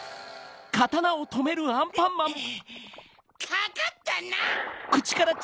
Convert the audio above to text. かかったな！